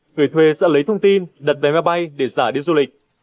người thuê sẽ lấy thông tin đặt vé máy bay để giả đi du lịch